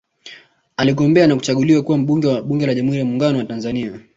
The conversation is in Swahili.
Aligombea na kuchaguliwa kuwa Mbunge wa Bunge la Jamhuri ya Muungano wa Tanzania